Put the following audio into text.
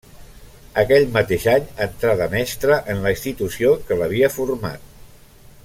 Aquell mateix any entrà de mestre en la institució que l’havia format.